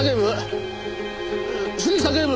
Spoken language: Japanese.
杉下警部？